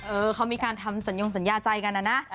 เออเขามีการทำสัญญงสัญญาใจกันนะนะ